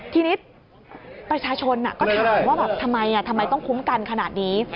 ทีนี้ประชาชนก็ถามว่าแบบทำไมทำไมต้องคุ้มกันขนาดนี้